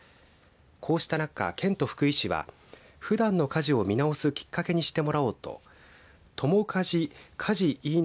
こうした中、県と福井市はふだんの家事を見直すきっかけにしてもらおうと共家事×家事いいネ！